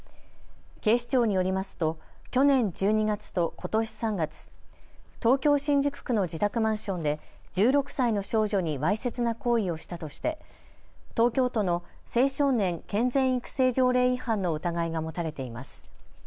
警視庁によりますと去年１２月とことし３月、東京新宿区の自宅マンションで１６歳の少女にわいせつな行為をしたとして、東京都の青少年健全育成条例違反の疑いが持たれています。